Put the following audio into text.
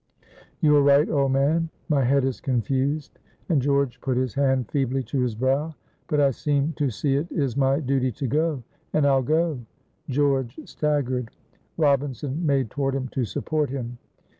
"You are right, old man; my head is confused;" and George put his hand feebly to his brow. "But I seem to see it is my duty to go, and I'll go." George staggered. Robinson made toward him to support him.